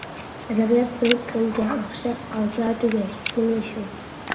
ئەدەبىيات بىر كۆلگە ئوخشاپ قالسا تۈگەشكىنى شۇ.